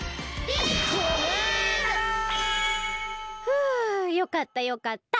ふうよかったよかった！